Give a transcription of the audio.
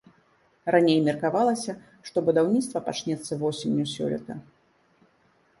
Раней меркавалася, што будаўніцтва пачнецца восенню сёлета.